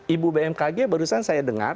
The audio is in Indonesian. ibu bmkg barusan saya dengar